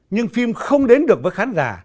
nhưng phim không đến được với khán giả